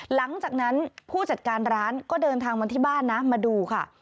หลังจากนั้นผู้จัดการร้านก็เดินทางมาที่บ้านนะมาดูค่ะ